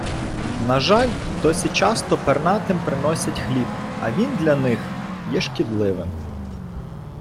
На жаль, досі часто пернатим приносять хліб, а він для них є шкідливим.